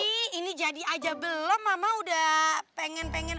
ini jadi aja belum mama udah pengen pengen